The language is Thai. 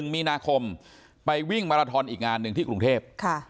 ๑มีนาคมไปวิ่งมาราทอนอีกงานหนึ่งที่กรุงเทพ